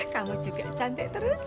kamu juga cantik terus